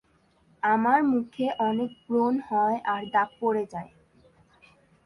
আমার মুখে অনেক ব্রণ হয় আর দাগ পরে যায়।